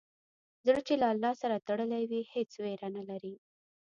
زړه چې له الله سره تړلی وي، هېڅ ویره نه لري.